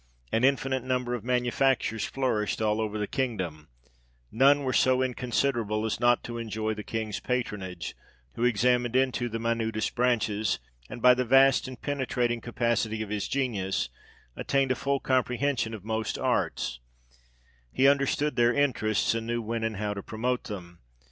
An infinite number of manufactures flourished all over the kingdom ; none were so inconsiderable, as not to enjoy the King's patronage, who examined into the minutest branches, and by the vast, and penetrating capacity of his genius, attained a full comprehension of most arts ; he understood their interests, and knew when and how to promote them.